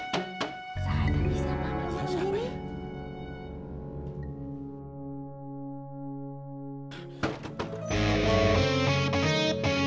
kau sudah cepet kerja miciniigu